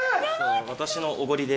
私のおごりで。